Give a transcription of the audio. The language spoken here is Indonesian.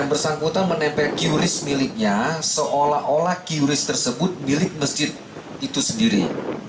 tempat yang sudah ditempel menempel kiuris miliknya seolah olah kiuris tersebut milik masjid itu sendiri